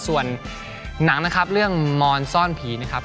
ส่วนหนังนะครับเรื่องมอนซ่อนผีนะครับ